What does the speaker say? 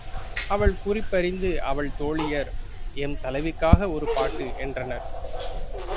அவள் குறிப்பறிந்து அவள் தோழியர், எம் தலைவிக்காக ஒரு பாட்டு என்றனர்.